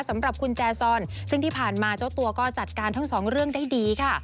สำหรับคุณแจซอนซึ่งที่ผ่านมาเจ้าตัวก็จัดการทั้งสองเรื่องได้ดีค่ะ